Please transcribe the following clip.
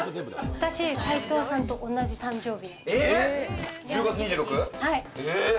私、斉藤さんと同じ誕生日。